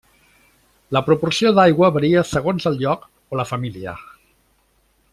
La proporció d'aigua varia segons el lloc o la família.